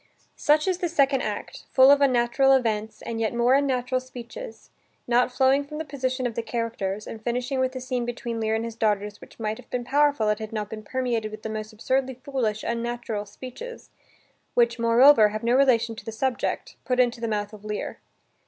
Such is the second act, full of unnatural events, and yet more unnatural speeches, not flowing from the position of the characters, and finishing with a scene between Lear and his daughters which might have been powerful if it had not been permeated with the most absurdly foolish, unnatural speeches which, moreover, have no relation to the subject, put into the mouth of Lear.